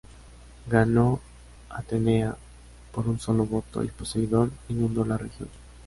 Ganó Atenea por un solo voto y Poseidón inundó la región.